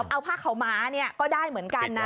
เอาผ้าขาวม้าก็ได้เหมือนกันนะ